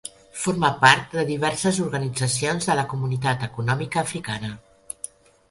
Forma part de diverses organitzacions de la Comunitat Econòmica Africana.